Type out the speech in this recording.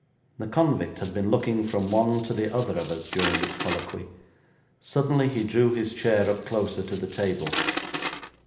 The convict had been looking from one to the other of us during this colloquy. Suddenly he drew his chair up closer to the table.